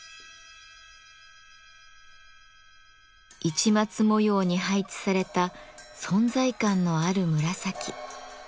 市松模様に配置された存在感のある紫。